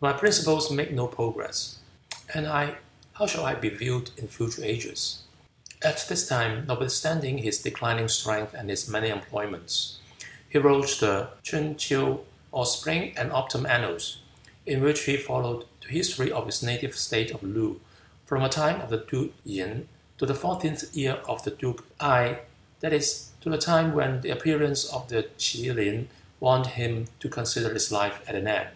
But my principles make no progress, and I, how shall I be viewed in future ages?" At this time, notwithstanding his declining strength and his many employments, he wrote the Ch'un ts'ew, or Spring and Autumn Annals, in which he followed the history of his native state of Loo, from the time of the duke Yin to the fourteenth year of the duke Gae, that is, to the time when the appearance of the K'e lin warned him to consider his life at an end.